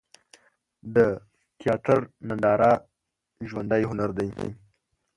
د تیاتر ننداره ژوندی هنر دی.